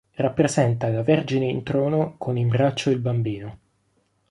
Rappresenta la Vergine in trono con in braccio il Bambino.